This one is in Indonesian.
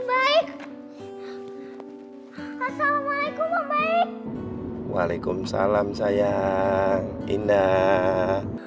assalamualaikum waalaikumsalam sayang indah baik